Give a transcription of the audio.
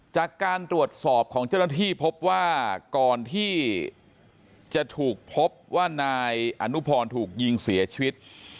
จากการตรวจสอบของเจ้าหน้าที่พบว่าก่อนที่จะถูกพบว่านายอนุพรถูกยิงเสียชีวิต